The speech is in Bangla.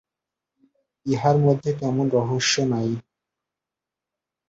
ইহার মধ্যে তেমন রহস্য নাই।